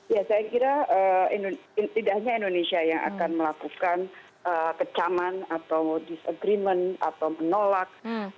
ya saya kira tidak hanya indonesia yang akan melakukan kecaman atau dis agreement atau menolak